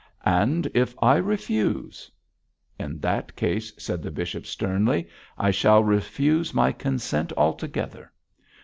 'And if I refuse?' 'In that case,' said the bishop, sternly, 'I shall refuse my consent altogether.